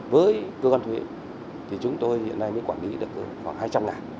với cơ quan thuế thì chúng tôi hiện nay mới quản lý được khoảng hai trăm linh